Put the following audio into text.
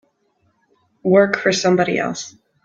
Work for somebody else.